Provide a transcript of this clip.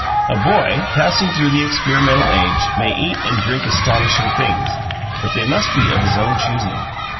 A boy, passing through the experimental age, may eat and drink astonishing things; but they must be of his own choosing.